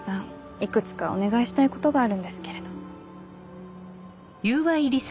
いくつかお願いしたいことがあるんですけれど。